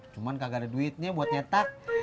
cuma kagak ada duitnya buat nyetak